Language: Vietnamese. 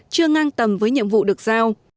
chưa ngang tầm với nhiệm vụ được giao